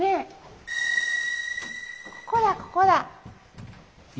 ここだここだ。